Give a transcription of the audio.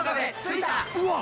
うわっ！